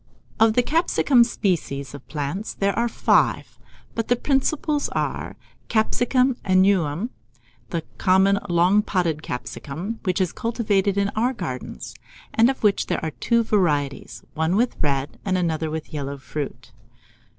Of the capiscum species of plants there are five; but the principal are, 1. Capsicum annuum, the common long podded capsicum, which is cultivated in our gardens, and of which there are two varieties, one with red, and another with yellow fruit.